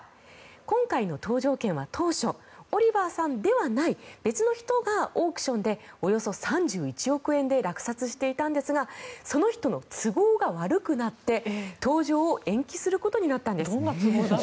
今回の搭乗券は当初、オリバーさんではない別の人がオークションでおよそ３１億円で落札していたんですがその人の都合が悪くなって搭乗を延期することになったんです。